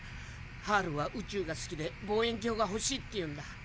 ハールは宇宙が好きで「望遠鏡がほしい」って言うんだ。